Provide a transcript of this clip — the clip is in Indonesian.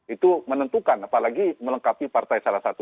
itu menentukan apalagi melengkapi partai salah satu